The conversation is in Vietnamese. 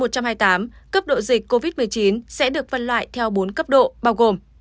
cấp độ dịch covid một mươi chín sẽ được phân loại theo bốn cấp độ bao gồm